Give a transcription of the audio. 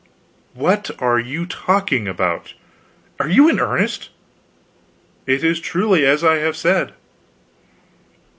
"What are you talking about? Are you in earnest?" "It is truly as I have said."